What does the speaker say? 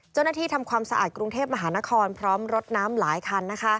ทำความสะอาดกรุงเทพมหานครพร้อมรถน้ำหลายคัน